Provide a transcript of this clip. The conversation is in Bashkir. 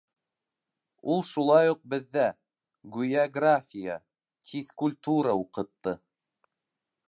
Ул шулай уҡ беҙҙә, Гүйәграфия, Тиҙкультура уҡытты...